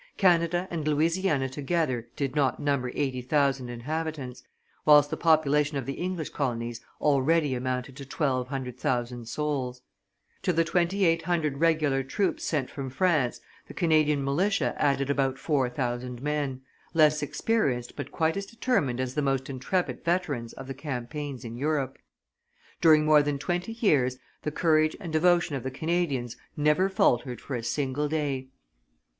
Canada and Louisiana together did not number eighty thousand inhabitants, whilst the population of the English colonies already amounted to twelve hundred thousand souls; to the twenty eight hundred regular troops sent from France, the Canadian militia added about four thousand men, less experienced but quite as determined as the most intrepid veterans of the campaigns in Europe. During more than twenty years the courage and devotion of the Canadians never faltered for a single day.